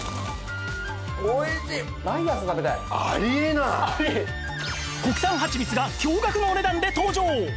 さらに国産はちみつが驚愕のお値段で登場！